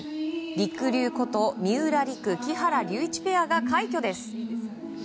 りくりゅうこと三浦璃来、木原龍一ペアが快挙です。